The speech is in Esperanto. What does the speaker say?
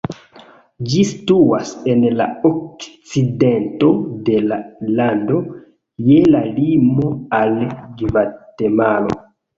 Ĝi situas en la okcidento de la lando, je la limo al Gvatemalo.